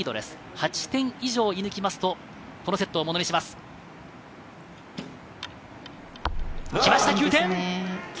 ８点以上を射抜きますと、このセットをものにします。来ました、９点。